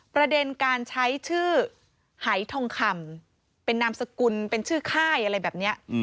ประเด็นการใช้ชื่อหายทองคำเป็นนามสกุลเป็นชื่อค่ายอะไรแบบนี้